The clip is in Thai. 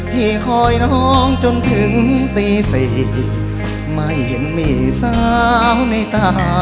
ที่คอยน้องจนถึงตี๔ไม่เห็นมีสาวในตา